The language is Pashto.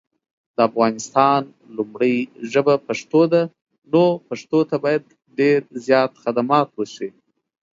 د افغانستان لومړی ژبه پښتو ده نو پښتو ته باید دیر زیات خدمات وشي